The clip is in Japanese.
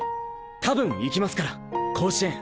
多分行きますから甲子園！